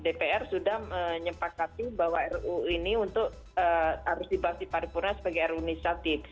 dpr sudah menyepakati bahwa ru ini harus dibahas di paripurnya sebagai ru nisati